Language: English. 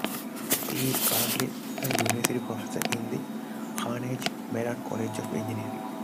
He is currently a University Professor in the Carnegie Mellon College of Engineering.